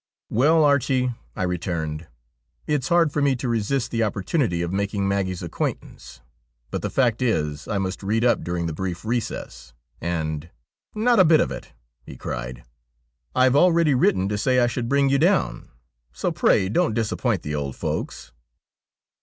' Well, Archie,' I returned, 'it's hard for me to resist the opportunity of making Maggie's acquaintance, but the fact is I must read up during the brief recess, and '' Not a bit of it,' he cried ;' I've already written to say I should bring you down, so pray don't disappoint the old folks.'